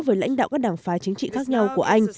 với lãnh đạo các đảng phái chính trị khác nhau của anh